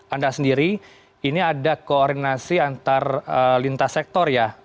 anda sendiri ini ada koordinasi antar lintas sektor ya